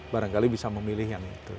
barangkali bisa memilih yang itu